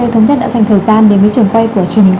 theo các khối tuyển